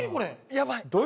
やばい。